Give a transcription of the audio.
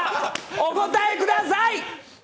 お答えください！